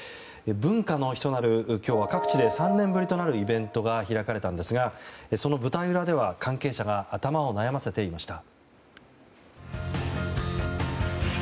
文化の日となる今日は各地で３年ぶりとなるイベントが開かれたんですがその舞台裏では関係者が頭を悩ませていました。